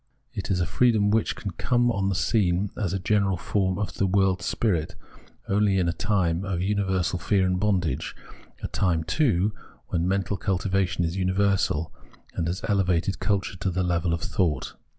It is a freedom which can come on the scene as a general form of the world's spirit only in a time of universal fear and bondage, a time, too, when mental cultivation is universal, and has elevated culture to the level of thought.